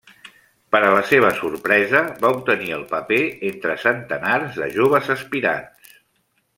Per a la seva sorpresa, va obtenir el paper entre centenars de joves aspirants.